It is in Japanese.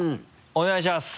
お願いします。